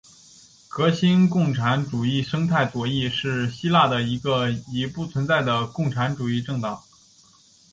革新共产主义生态左翼是希腊的一个已不存在的共产主义政党。